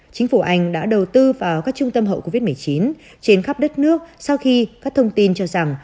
chính phủ anh đã đầu tư vào các trung tâm hậu covid một mươi chín trên khắp đất nước sau khi các thông tin cho rằng